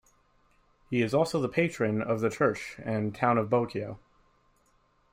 He is also the patron of the church and town of Bocaue.